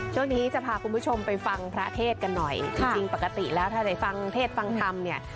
ช่วงนี้จะพาคุณผู้ชมไปฟังพระเทศกันหน่อยจริงปกติแล้วถ้าได้ฟังเทศฟังธรรมเนี่ย